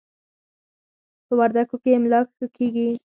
په وردکو کې املاک ښه کېږي.